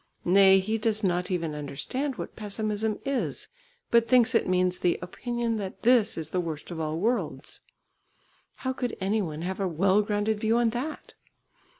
Nay, he does not even understand what pessimism is, but thinks it means the opinion that this is the worst of all worlds. How could any one have a well grounded view on that?